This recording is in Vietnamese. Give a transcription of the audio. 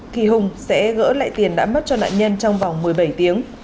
thì hùng sẽ gỡ lại tiền đã mất cho nạn nhân trong vòng một mươi bảy tiếng